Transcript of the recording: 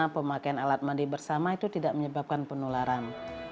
pemakaian alat mandi bersama itu tidak menyebabkan penularan